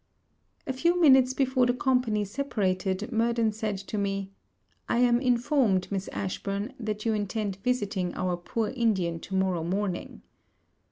A few minutes before the company separated, Murden said to me, 'I am informed, Miss Ashburn, that you intend visiting our poor Indian to morrow morning.'